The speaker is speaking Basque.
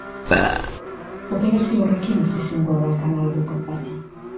Operazio horrekin hasi zen Guadalcanalgo kanpaina.